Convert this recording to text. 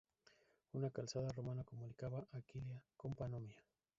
Una calzada romana comunicaba Aquilea con Panonia.